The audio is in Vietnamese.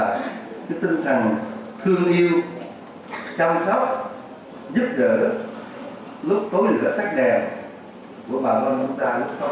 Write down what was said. đặc biệt là tinh thần thương yêu chăm sóc giúp đỡ lúc tối lửa tách đèn của bà con chúng ta lúc tối tràn